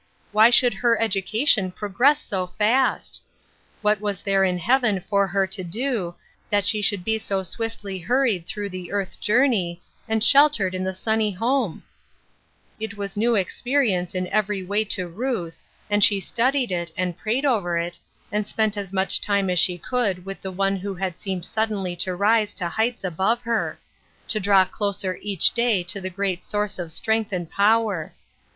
Why should her education pro gress so fast? What was there in Heaven for her to do, that she should be so swiftly hurried through the earth journey, and sheltered in the sunny home ? It was new experience in every way to Ruth, and she studied it, and prayed over it, and spent as much time as she could with the one who had seemed suddenly to rise to heights above her ; to draw closer each day to the Great Source of strength and power.